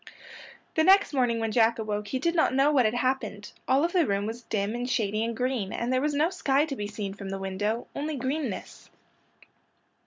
The next morning when Jack awoke he did not know what had happened. All of the room was dim and shady and green, and there was no sky to be seen from the window,—only greenness.